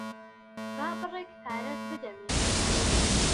با بڕێک پارەت بدەمێ.